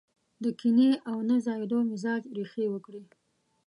د کينې او نه ځايېدو مزاج ريښې وکړي.